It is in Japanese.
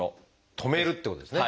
止めるってことですね。